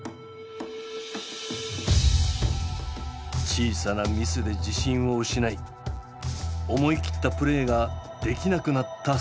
小さなミスで自信を失い思い切ったプレーができなくなった齋藤。